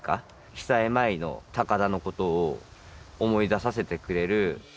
被災前の高田のことを思い出させてくれる。